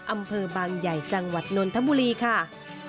อำเภอบางใหญ่จังหวัดนนทบุรีค่ะ